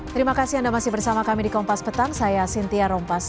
terima kasih anda masih bersama kami di kompas petang saya cynthia rompas